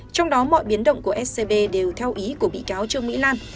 trong đó mọi biến động của scb đều theo ý của bị cáo trương mỹ lan